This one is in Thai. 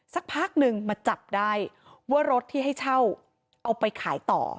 สักพักนึงมาจับได้ว่ารถที่ให้เช่าเอาไปขายต่อ